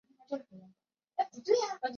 翻开断砖来，有时会遇见蜈蚣